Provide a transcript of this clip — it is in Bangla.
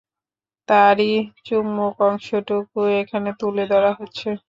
তারই চুম্বক অংশটুকু এখানে তুলে ধরা হচ্ছে।